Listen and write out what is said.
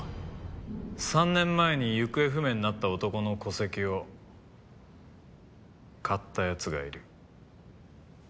３年前に行方不明になった男の戸籍を買った奴がいる。